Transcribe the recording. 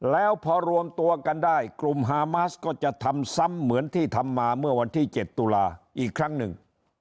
แล้วพอรวมตัวกันได้กลุ่มฮามาสก็จะทำซ้ำเหมือนที่ทำมาเมื่อวันที่๗ตุลาอีกครั้งหนึ่ง